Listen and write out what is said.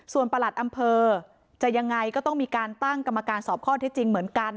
ส่วนประหลัดอำเภอจะยังไงก็ต้องมีการตั้งกรรมการสอบข้อเท็จจริงเหมือนกัน